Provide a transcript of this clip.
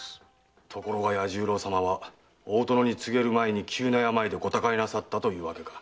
ところが弥十郎様は大殿に告げる前に急な病でご他界なさったというわけか。